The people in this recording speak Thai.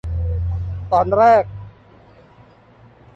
ตอนแรก